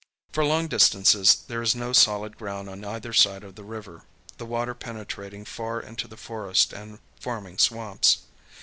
For long distances there is no solid ground on either side of the river, the water penetrating far into the forest and forming swamps.